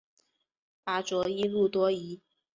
拔灼易怒多疑。